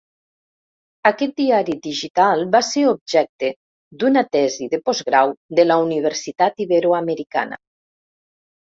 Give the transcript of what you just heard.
Aquest diari digital va ser objecte d'una tesi de postgrau de la Universitat Iberoamericana.